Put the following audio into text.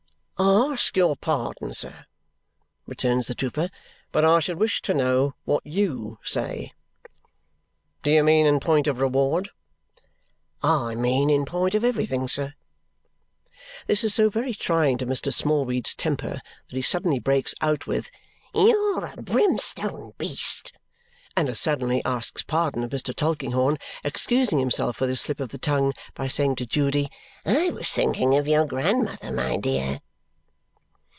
"I ask your pardon, sir," returns the trooper, "but I should wish to know what YOU say?" "Do you mean in point of reward?" "I mean in point of everything, sir." This is so very trying to Mr. Smallweed's temper that he suddenly breaks out with "You're a brimstone beast!" and as suddenly asks pardon of Mr. Tulkinghorn, excusing himself for this slip of the tongue by saying to Judy, "I was thinking of your grandmother, my dear."